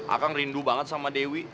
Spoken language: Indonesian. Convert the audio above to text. akan rindu banget sama dewi